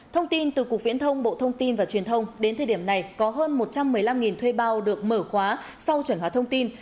thông tin từ cục viễn thông bộ thông tin và truyền thông đến thời điểm này có hơn một trăm một mươi năm thuê bao được mở khóa sau chuẩn hóa thông tin